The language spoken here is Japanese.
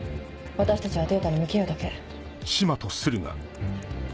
私たちはデータに向き合うだけ。